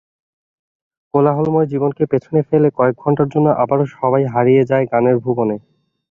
কোলাহলময় জীবনকে পেছনে ফেলে কয়েক ঘণ্টার জন্য আবারও সবাই হারিয়ে যায় গানের ভুবনে।